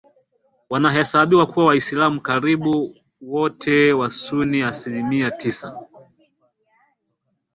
wanahesabiwa kuwa Waislamu karibu wote Wasuni asilimia tisa